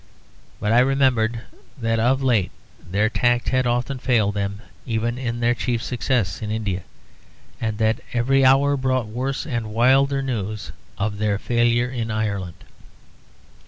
But I remembered that of late their tact had often failed them even in their chief success in India; and that every hour brought worse and wilder news of their failure in Ireland.